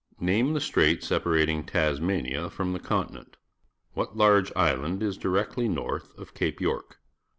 Name the strait separating Tnsmania from the continent. What large island is directly north of Cape York?